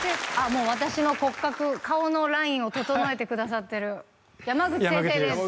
もう私の骨格顔のラインを整えてくださってる山口先生です